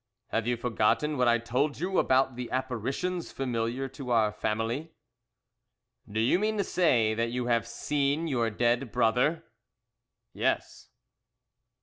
"Have you forgotten what I told you about the apparitions familiar to our family?" "Do you mean to say that you have seen your dead brother?" "Yes."